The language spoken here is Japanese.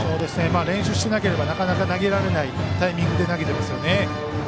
練習してなければなかなか投げられないタイミングで投げてますよね。